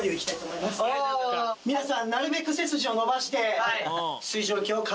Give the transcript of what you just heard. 皆さん。